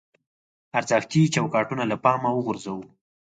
ارزښتي چوکاټونه له پامه وغورځوو.